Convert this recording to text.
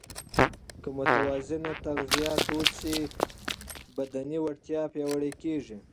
که متوازنه تغذیه دود شي، بدني وړتیا پیاوړې کېږي.